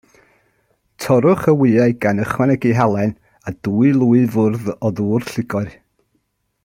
Torrwch y wyau, gan ychwanegu halen, a dwy lwy fwrdd o ddŵr llugoer.